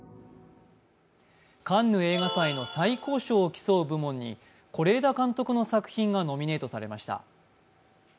カンヌ映画祭の最高賞を競う部門に是枝監督の作品がノミネートされました。